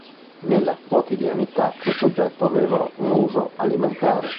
Nella quotidianità questo oggetto aveva un uso alimentare.